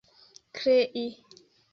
krei